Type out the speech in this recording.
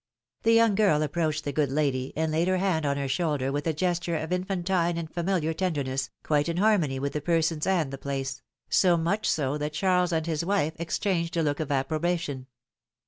The young girl approached the good lady, and laid her hand on her shoulder with a gesture of infantine and familiar tenderness, quite in harmony with the persons and the place; so much so that Charles and his wife exchanged a look of approbation.